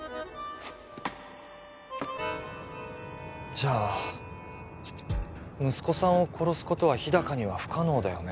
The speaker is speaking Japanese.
じゃあ息子さんを殺すことは日高には不可能だよね